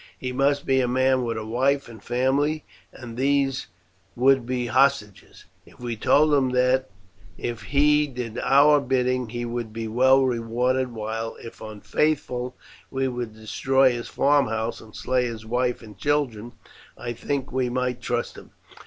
He must be a man with a wife and family, and these would be hostages. If we told him that if he did our bidding he would be well rewarded, while if unfaithful we would destroy his farmhouse and slay his wife and children, I think we might trust him.